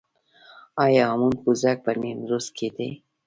آیا هامون پوزک په نیمروز کې دی؟